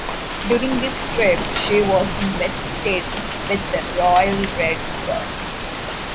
During this trip she was invested with the Royal Red Cross.